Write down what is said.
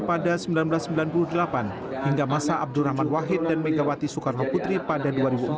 pada seribu sembilan ratus sembilan puluh delapan hingga masa abdurrahman wahid dan megawati soekarno putri pada dua ribu empat